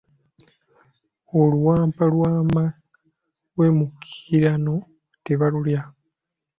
Oluwampa lw'amawemukirano tebalulya.